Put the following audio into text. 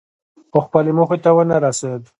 خو خپلې موخې ته ونه رسېد.